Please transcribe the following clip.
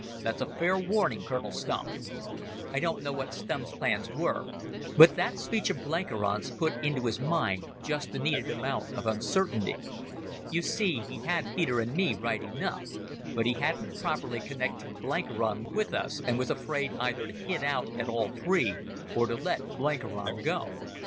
That's a fair warning, Colonel Stumm." I don't know what Stumm's plans were, but that speech of Blenkiron's put into his mind just the needed amount of uncertainty. You see, he had Peter and me right enough, but he hadn't properly connected Blenkiron with us, and was afraid either to hit out at all three, or to let Blenkiron go.